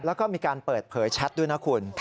แล้วก็มีการเปิดเผยแชทด้วยนะคุณ